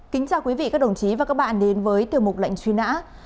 kính chào quý vị các đồng chí và các bạn đến với tiểu mục lệnh truy nã